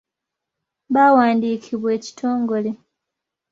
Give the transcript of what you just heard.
Baawandiikibwa ekitongole.